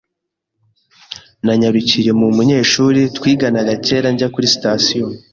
Nanyarukiye mu munyeshuri twiganaga kera njya kuri sitasiyo.